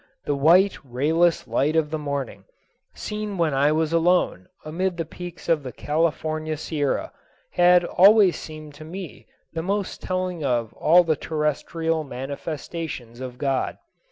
The white, rayless light of morning, seen when I was alone amid the peaks of the California Sierra, had always seemed to me the most telling of all the terrestrial manifestations of God.